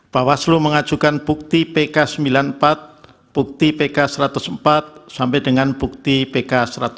bawaslu mengajukan bukti pk sembilan puluh empat bukti pk satu ratus empat sampai dengan bukti pk satu ratus empat puluh